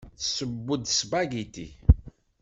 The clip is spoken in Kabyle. Tesseww-d aspagiti.